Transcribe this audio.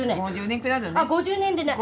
５０年でない！